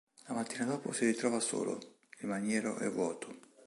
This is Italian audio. La mattina dopo si ritrova solo, il maniero è vuoto.